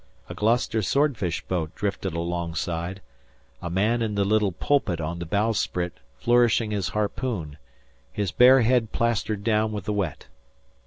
A Gloucester swordfish boat drifted alongside, a man in the little pulpit on the bowsprit flourished his harpoon, his bare head plastered down with the wet.